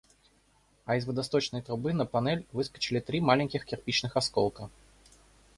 А из водосточной трубы на панель выскочили три маленьких кирпичных осколка.